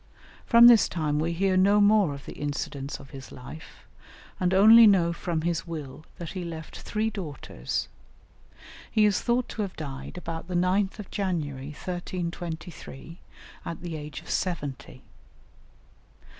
From this time we hear no more of the incidents of his life, and only know from his will that he left three daughters; he is thought to have died about the 9th of January, 1323, at the age of seventy.